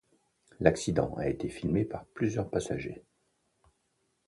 L'accident a été filmé par plusieurs passagers.